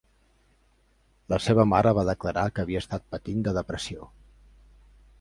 La seva mare va declarar que havia estat patint de depressió.